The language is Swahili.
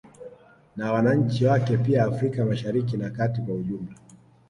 Na wananchi wake pia Afrika Mashariki na kati kwa ujumla